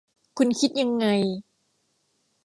คุณคิดยังไง